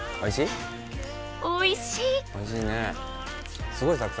おいしい？